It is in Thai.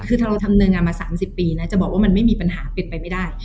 คือถ้าเราทำเนินงานมา๓๐ปีนะจะบอกว่ามันไม่มีปัญหาเป็นไปไม่ได้